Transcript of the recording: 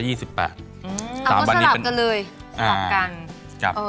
เราก็สลับกันเลยสลับกัน